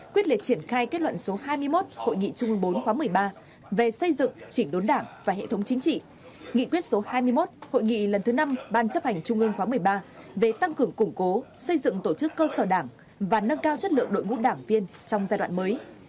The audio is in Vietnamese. quyết liệt triển khai kết luận số hai mươi một hội nghị trung ương bốn khóa một mươi ba về xây dựng chỉnh đốn đảng và hệ thống chính trị nghị quyết số hai mươi một hội nghị lần thứ năm ban chấp hành trung ương khóa một mươi ba về tăng cường củng cố xây dựng tổ chức cơ sở đảng và nâng cao chất lượng đội ngũ đảng viên trong giai đoạn mới